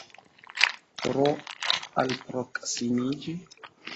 Tro alproksimiĝi?